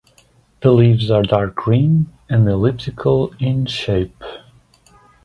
The leaves are dark green and elliptical in shape.